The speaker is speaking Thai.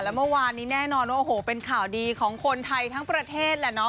แล้วเมื่อวานนี้แน่นอนว่าโอ้โหเป็นข่าวดีของคนไทยทั้งประเทศแหละเนาะ